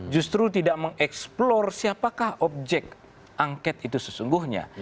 justru tidak mengeksplor siapakah objek angket itu sesungguhnya